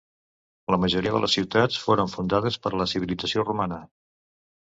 La majoria de les ciutats foren fundades per la civilització romana.